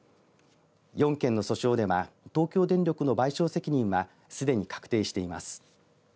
４件の訴訟では東京電力の賠償責任はすでに確定しています。